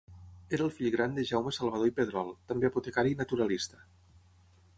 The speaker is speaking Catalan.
Era el fill gran de Jaume Salvador i Pedrol, també apotecari i naturalista.